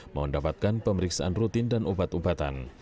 mendapatkan pemeriksaan rutin dan obat obatan